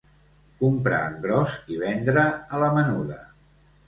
Comprar en gros i vendre a la menuda.